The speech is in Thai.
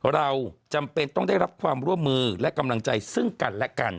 เราจำเป็นต้องได้รับความร่วมมือและกำลังใจซึ่งกันและกัน